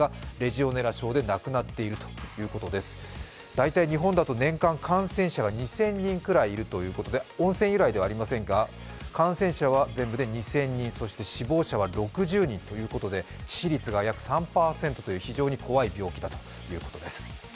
大体、日本だと感染者が２０００人いるということで、温泉由来ではありませんが感染者は全部で２０００人、そして死亡者は６０人ということで致死率が約３％という非常に怖い病気だということです。